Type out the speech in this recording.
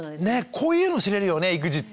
こういうの知れるよね育児って。